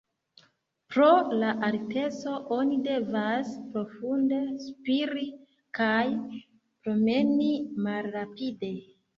Pro la alteco oni devas profunde spiri kaj promeni malrapide.